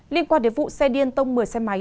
liên quan đến vụ xe điên tông một mươi xe máy